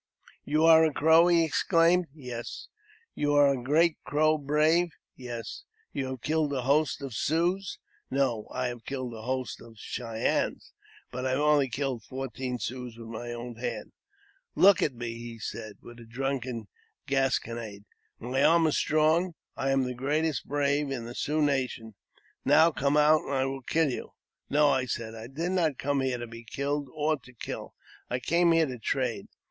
" You are a Crow? " he exclaimed. "Yes." *' You are a great Crow brave ?" "Yes." " You have killed a host of Siouxs? "" No ; I have killed a host of Cheyennes, but I have killed fourteen Siouxs with my own hand." " Look at me," said he, with drunken gasconade ;" my arm is strong ; I am the greatest brave in the Sioux nation. Now come out, and I will kill you." ■" No," I said, " I did not come here to be killed or to kill I came here to trade.